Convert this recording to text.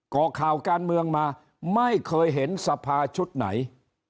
ก่อข่าวการเมืองมาไม่เคยเห็นสภาชุดไหน